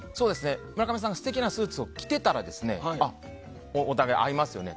村上さんが素敵なスーツを着てたらお互いに合いますよね。